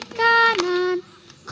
naik naik ke puncak gunung sesangka